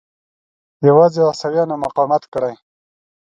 یوازې عیسویانو مقاومت کړی.